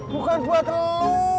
bukan buat lo